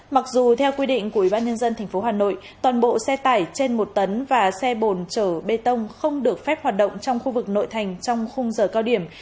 mặc dù theo quy định của ủy ban nhân dân tp hà nội toàn bộ xe tải trên một tấn và xe bồn chở bê tông không được phép hoạt động trong khu vực nội thành trong khung giờ cao điểm